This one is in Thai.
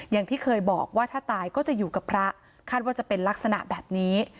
อย่างที่เคยบอกว่าถ้าตายก็จะอยู่กับพระคาดว่าจะเป็นลักษณะแบบนี้